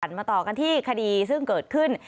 มาต่อกันที่คดีซึ่งเกิดขึ้น